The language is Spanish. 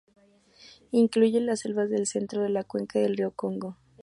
Incluye las selvas del centro de la cuenca del río Congo.